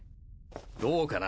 どうかな？